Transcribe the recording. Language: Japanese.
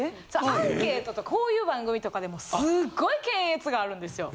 アンケートとかこういう番組とかでもすごい検閲があるんですよ。